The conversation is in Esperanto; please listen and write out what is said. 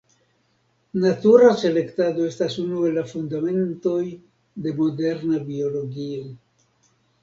Natura selektado estas unu el la fundamentoj de moderna biologio.